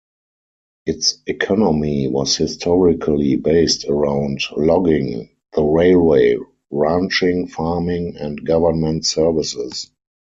Its economy was historically based around logging, the railway, ranching, farming, and government services.